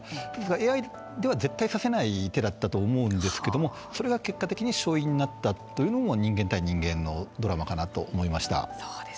ＡＩでは絶対指せない手だったと思うんですけどもそれが結果的に勝因になったというのも人間対人間のドラマかなと思いました。